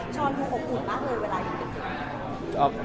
ชอบห่วงหกห่วงมากเลยเวลาอย่างนี้